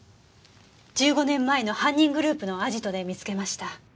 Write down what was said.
１５年前の犯人グループのアジトで見つけました。